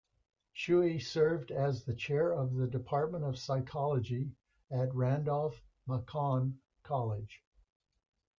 Shuey served as the Chair of the Department of Psychology at Randolph-Macon College.